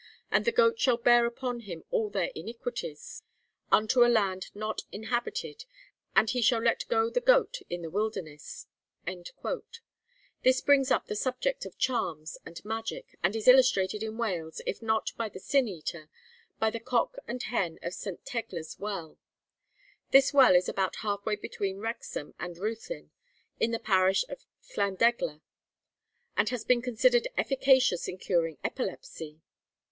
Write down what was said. And the goat shall bear upon him all their iniquities unto a land not inhabited: and he shall let go the goat in the wilderness.' This brings up the subject of charms and magic, and is illustrated in Wales, if not by the Sin eater, by the cock and hen of St. Tegla's Well. This well is about half way between Wrexham and Ruthin, in the parish of Llandegla, and has been considered efficacious in curing epilepsy.